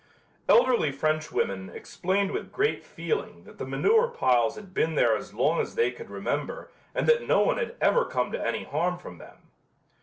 Elderly Frenchwomen explained with great feeling that the manure piles had been there as long as they could remember and that no one had ever come to any harm from them.